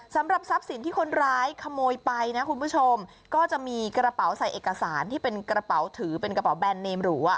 สำหรับทรัพย์สินที่คนร้ายขโมยไปนะคุณผู้ชมก็จะมีกระเป๋าใส่เอกสารที่เป็นกระเป๋าถือเป็นกระเป๋าแบรนดเนมหรูอ่ะ